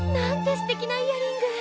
すてきなイヤリング！